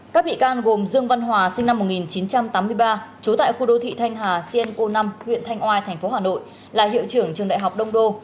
các bị can gồm dương văn hòa sinh năm một nghìn chín trăm tám mươi ba trú tại khu đô thị thanh hà cenco năm huyện thanh oai tp hà nội là hiệu trưởng trường đại học đông đô